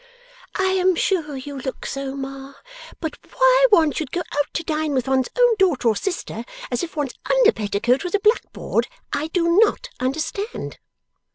'I am sure you look so, Ma. But why one should go out to dine with one's own daughter or sister, as if one's under petticoat was a backboard, I do NOT understand.